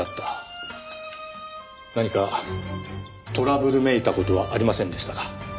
何かトラブルめいた事はありませんでしたか？